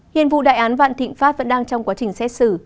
hiện vụ đại án vạn thịnh pháp vẫn đang trong quá trình xét xử